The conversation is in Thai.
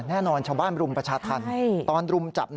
แน่นอนชาวบ้านรุมประชาธรรมตอนรุมจับ